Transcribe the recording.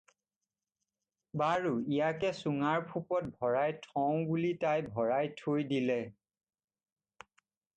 বাৰু ইয়াকে চুঙাৰ ফোপত ভৰাই থওঁ বুলি তাই ভৰাই থৈ দিলে।